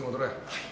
はい。